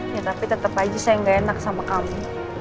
ya tapi tetap aja saya gak enak sama kamu